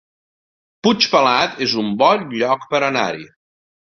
Puigpelat es un bon lloc per anar-hi